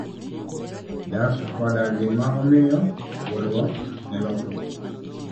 Dak koda gima omiyo, goruok ne lokruok.